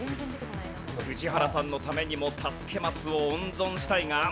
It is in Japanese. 宇治原さんのためにも助けマスを温存したいが。